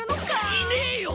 いねえよ！